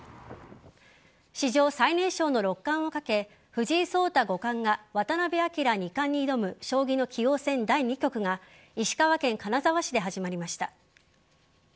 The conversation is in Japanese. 史上最年少の六冠をかけ藤井聡太五冠が渡辺明二冠に挑む将棋の棋王戦第２局が石川県金沢市で始まりました。